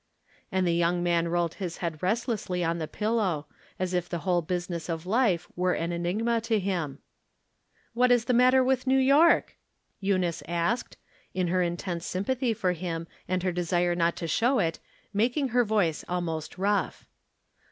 And the young man rolled his head restlessly on his pillow, as if the whole business of life were an enigma to him. " What is the matter with New York ?" Eu rdce asked, in her intense sympathy for him, and 116 From J)ifferent Standpoints. her desire not to show it, making her voice al most rough.